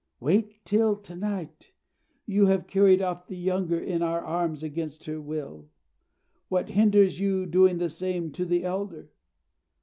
Wait till to night. You have carried off the younger in your arms against her will. What hinders you doing the same to the elder?"